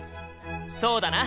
そうだな！